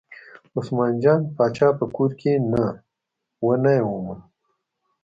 عثمان جان پاچا په کور کې نه و نه یې وموند.